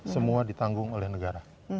semua ditanggung oleh negara